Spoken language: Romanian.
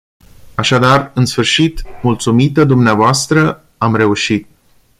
Așadar, în sfârșit, mulțumită dvs., am reușit.